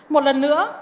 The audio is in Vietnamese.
một lần nữa